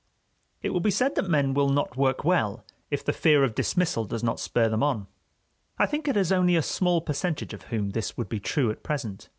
It will be said that men will not work well if the fear of dismissal does not spur them on. I think it is only a small percentage of whom this would be true at present.